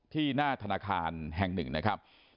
ที่หน้าธนาคารแห่ง๑นะครับ